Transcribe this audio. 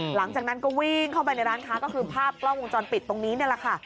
หลังจากนั้นก็วิ่งเข้าไปในร้านค้าก็คือภาพกล้องวงจรปิดตรงนี้นี่แหละค่ะ